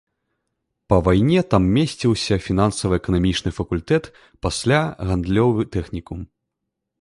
Па вайне там месціўся фінансава-эканамічны факультэт, пасля гандлёвы тэхнікум.